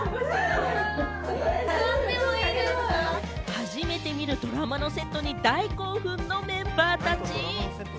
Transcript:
初めて見るドラマのセットに大興奮のメンバーたち。